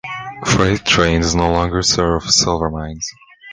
Freight trains no longer serve Silvermines.